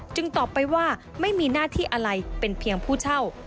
ตอบไปว่าไม่มีหน้าที่อะไรเป็นเพียงผู้เช่า